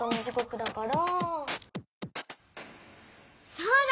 そうだ！